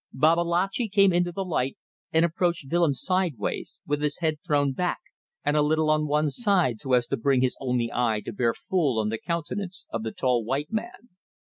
Babalatchi came into the light and approached Willems sideways, with his head thrown back and a little on one side so as to bring his only eye to bear full on the countenance of the tall white man.